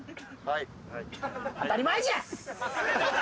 はい。